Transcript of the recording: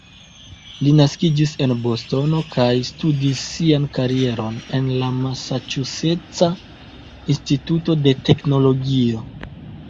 Li naskiĝis en Bostono kaj studis sian karieron en la Masaĉuseca Instituto de Teknologio.